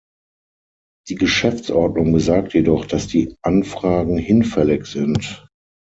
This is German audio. Die Geschäftsordnung besagt jedoch, dass die Anfragen hinfällig sind.